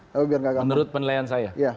menurut penilaian saya